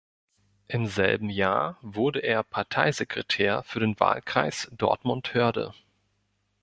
Im selben Jahr wurde er Parteisekretär für den Wahlkreis Dortmund-Hörde.